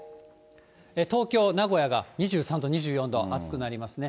東京、名古屋が２３度、２４度、暑くなりますね。